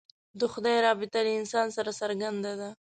د خدای رابطه له انسان سره څرنګه ده.